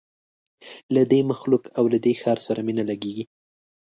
له دې مخلوق او له دې ښار سره مي نه لګیږي